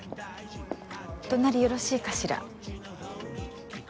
隣よろしいかしら？